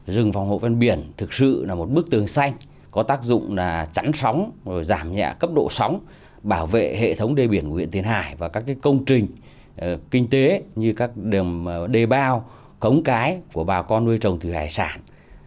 rừng phòng hộ ven biển thực sự là một bức tường xanh có tác dụng là chắn sóng giảm nhẹ cấp độ sóng bảo vệ hệ thống đê biển của huyện tiền hải và các công trình kinh tế như các đề bao cống cái của bà con nuôi trồng thủy hải sản